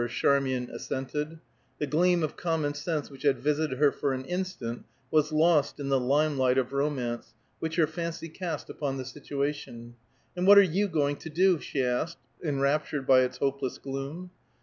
Charmian assented. The gleam of common sense which had visited her for an instant, was lost in the lime light of romance, which her fancy cast upon the situation. "And what are you going to do?" she asked, enraptured by its hopeless gloom.